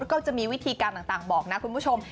แล้วก็จะมีวิธีการต่างบอกนะคุณผู้ชม